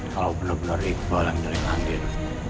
kalau bener bener iqbal yang jalin andin